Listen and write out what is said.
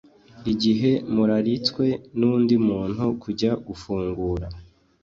Igihe muraritswe nundi muntu kujya gufungura